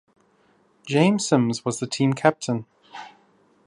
James Sims was the team captain.